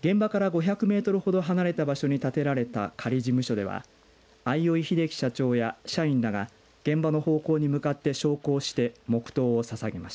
現場から５００メートルほど離れた場所に建てられた仮事務所では相生秀樹社長や社員らが現場の方向に向かって焼香して黙とうをささげました。